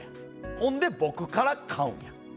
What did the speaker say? ほんで僕から買うんや。